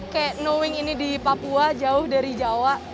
kayak knowing ini di papua jawa